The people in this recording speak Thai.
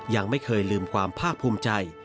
ยังไม่เคยลืมความภาคภูมิใจ